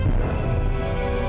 lila gara gara kau